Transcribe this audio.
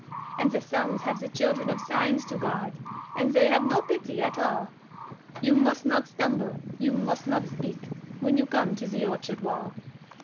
"'And the suns have the Children of Signs to guard, And they have no pity at all You must not stumble, you must not speak, When you come to the orchard wall.